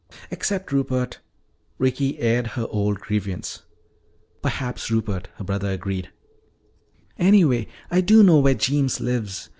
"Except Rupert!" Ricky aired her old grievance. "Perhaps Rupert," her brother agreed. "Anyway, I do know where Jeems lives.